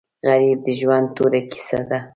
غریب د ژوند توره کیسه ده